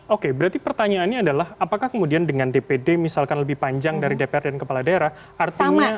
oke berarti pertanyaannya adalah apakah kemudian dengan dpd misalkan lebih panjang dari dpr dan kepala daerah artinya